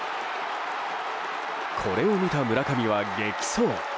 これを見た村上は、激走。